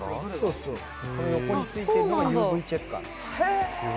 横についているのがＵＶチェッカー。